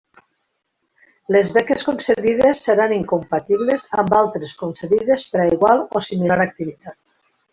Les beques concedides seran incompatibles amb altres concedides per a igual o similar activitat.